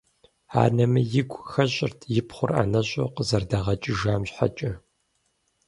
Анэми игу хэщӏырт и пхъур ӏэнэщӏу къызэрыдагъэкӏыжам щхьэкӏэ.